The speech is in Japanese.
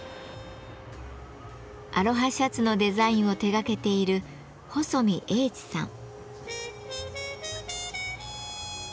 アロハシャツのデザインを手がけている細見英知さん。